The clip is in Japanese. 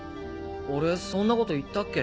俺そんなこと言ったっけ？